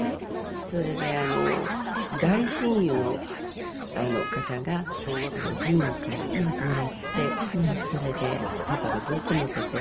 それで大親友の方が寺院からもらってそれでパパがずっと持ってて。